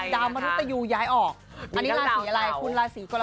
ดาวมรุตตะยูย้ายออกอันนี้ลาศีอะไรคุณลาศีกรกฏ